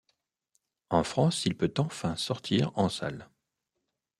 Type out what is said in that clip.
En France, il peut enfin sortir en salles.